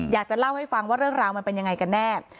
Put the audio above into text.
อยากจะเล่าให้ฟังว่าเรื่องราวมันเป็นยังไงกันแน่